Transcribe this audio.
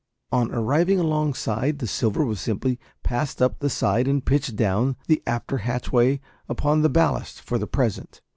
On arriving alongside the silver was simply passed up the side and pitched down the after hatchway upon the ballast, for the present.